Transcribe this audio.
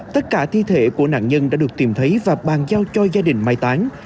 tất cả thi thể của nạn nhân đã được tìm thấy và bàn giao cho gia đình mai tán